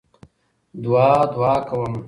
دعا دعا كومه